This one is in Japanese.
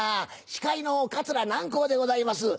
司会の桂南光でございます。